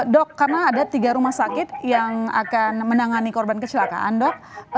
dok karena ada tiga rumah sakit yang akan menangani korban kecelakaan dok